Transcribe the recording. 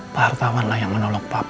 pak hartawan lah yang menolong papa